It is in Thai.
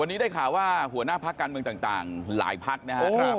วันนี้ได้ข่าวว่าหัวหน้าพักการเมืองต่างหลายพักนะครับ